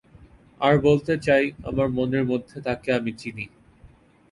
আর বলতে চাই, আমার মনের মধ্যে তাঁকে আমি চিনি।